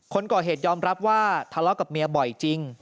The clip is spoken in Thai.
คนก่อเหตุยอมรับว่าทะเลาะกับเมียบ่อยจริง